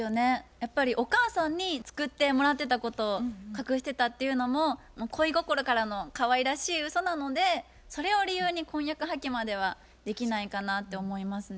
やっぱりお母さんに作ってもらってたことを隠してたっていうのも恋心からのかわいらしいうそなのでそれを理由に婚約破棄まではできないかなって思いますね。